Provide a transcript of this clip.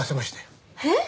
えっ？